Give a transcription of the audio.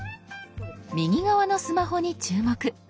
右側のスマホに注目。